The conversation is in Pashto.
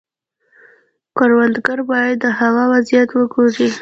کروندګر باید د هوا وضعیت وګوري.